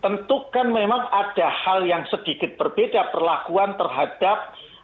tentu kan memang ada hal yang sedikit berbeda perlakuan terhadap